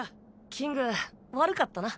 キング悪かったな。